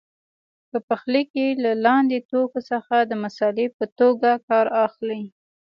په پخلي کې له لاندې توکو څخه د مسالې په توګه کار اخلي.